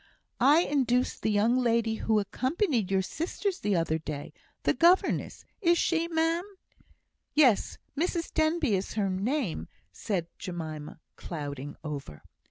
"I induced the young lady who accompanied your sisters the other day the governess, is she, ma'am?" "Yes Mrs Denbigh is her name," said Jemima, clouding over.